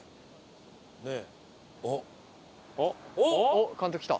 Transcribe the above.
おっ！監督来た。